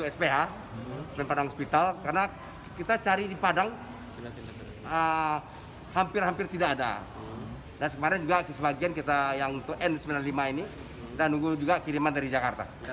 masker kita memang butuh kekurangan karena itu saya minta bantu sama bapak andri ruziade bantu sph